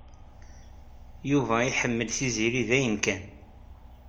Yuba iḥemmel Tiziri dayen kan.